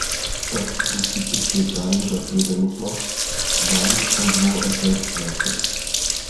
Das Prinzip besteht darin, dass jeder mitmacht, wann und wo er selbst es möchte.